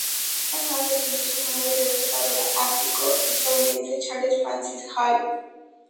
La isla Hall recibió su nombre del explorador ártico estadounidense Charles Francis Hall.